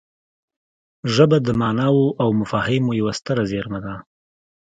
ژبه د ماناوو او مفاهیمو یوه ستره زېرمه ده